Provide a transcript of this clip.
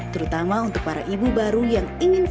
terutama untuk para ibu baru yang ingin fit setelah kembali ke rumah